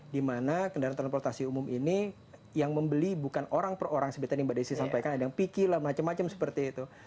dimana kendaraan transportasi umum ini yang membeli bukan orang per orang seperti tadi mbak desi sampaikan ada yang picky lah macam macam seperti itu